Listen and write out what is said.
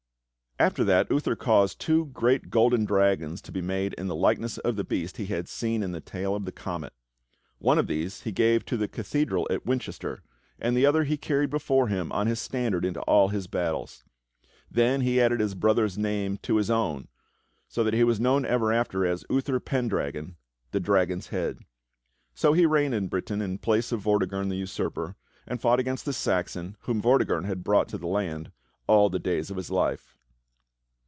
After that Uther caused two great golden dragons to be made in the likeness of the beast he had seen in the tail of the comet. One of these he gave to the Cathedral at Winchester, and the other he carried before him on his standard into all his battles. Then he added his brother's name to his own, so that he was known ever after as Uther Pen dragon — the "Dragon's Head." So he reigned in Britain in place of Vortigern the usurper, and fought against the Saxon, whom Vorti gern had brought to the land, all the days of his life.